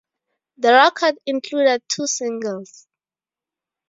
The record included two singles.